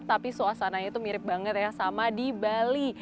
tapi suasananya itu mirip banget ya sama di bali